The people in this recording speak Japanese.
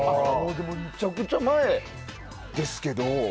めちゃくちゃ前ですけど。